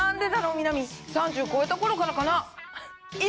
南３０超えた頃からかな。